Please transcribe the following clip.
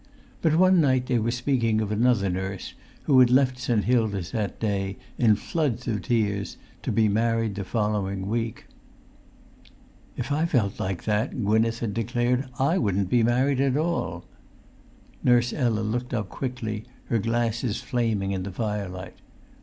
But one night they were speaking of another nurse, who had left St. Hilda's that day, in floods of tears, to be married the following week. "If I felt like that," Gwynneth had declared, "I wouldn't be married at all." Nurse Ella looked up quickly, her glasses flaming in the firelight.